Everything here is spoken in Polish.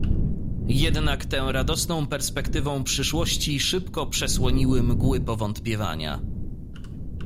"Jednak tę radosną perspektywą przyszłości szybko przesłoniły mgły powątpiewania."